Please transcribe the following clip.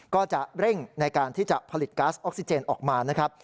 ก็จะเร่งในการที่จะผลิตก๊าซออกซิเจนออกมานะครับ